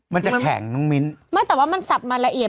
มันจะแข็งน้องมิ้นไม่แต่ว่ามันสับมาละเอียด